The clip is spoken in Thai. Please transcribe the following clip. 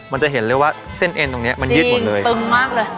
มันจะเห็นเลยว่าเส้นเอ็นตรงนี้มันยืดหมดเลยตึงมากเลย